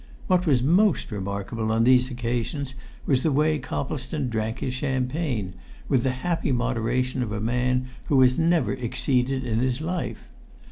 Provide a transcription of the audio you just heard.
What was most remarkable on these occasions was the way Coplestone drank his champagne, with the happy moderation of a man who has never exceeded in his life.